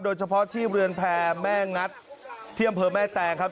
โดยเฉพาะที่เรือนแพรแม่งัดที่อำเภอแม่แตงครับ